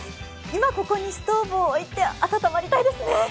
今ここにストーブを置いて、温まりたいですね。